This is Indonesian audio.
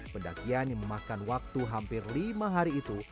pendakian yang memakan waktu hampir lima hari itu